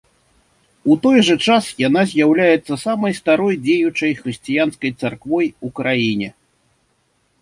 У той жа час яна з'яўляецца самай старой дзеючай хрысціянскай царквой у краіне.